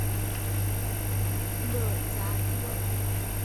勒札勒喇布坦希哩珠特袭封杜尔伯特部札萨克特古斯库鲁克达赖汗。